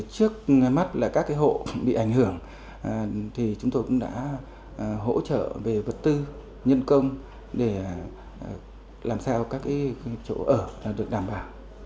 trước mắt là các hộ bị ảnh hưởng thì chúng tôi cũng đã hỗ trợ về vật tư nhân công để làm sao các chỗ ở được đảm bảo